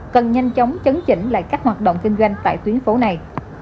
cần nhanh chóng chấn chỉnh lại các hoạt động kinh doanh tại tuyến phố này